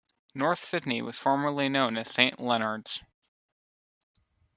North Sydney was formerly known as Saint Leonards.